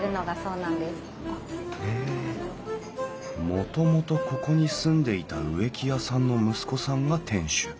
もともとここに住んでいた植木屋さんの息子さんが店主。